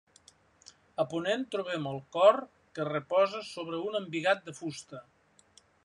A ponent trobem el cor que reposa sobre un embigat de fusta.